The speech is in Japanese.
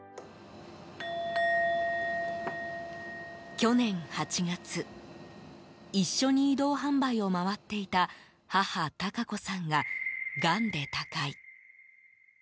去年８月一緒に移動販売を回っていた母・高子さんが、がんで他界。